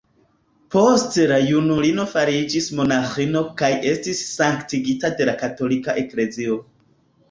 Poste la junulino fariĝis monaĥino kaj estis sanktigita de la katolika Eklezio.